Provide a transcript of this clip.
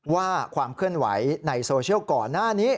ว่าความเคลื่อนไหวในโซเชียลก่อนหน้านี้